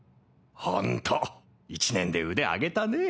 ほんと１年で腕上げたね。